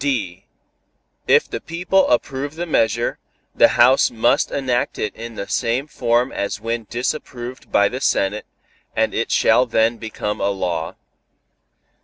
(d) If the people approve the measure, the House must enact it in the same form as when disapproved by the Senate, and it shall then become a law.